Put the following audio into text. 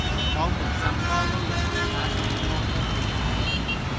我們什麼都有，也什麼都沒有，